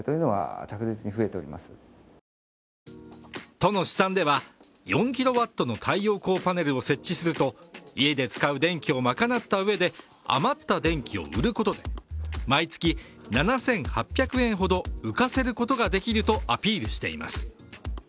都の試算では、４キロワットの太陽光パネルを設置すると家で使う電気を賄ったうえで余った電気を売ることで毎月７８００円ほど浮かせることができるとアピールしています。